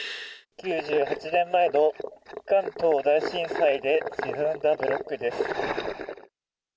９８年前の関東大震災で沈んだブロックです。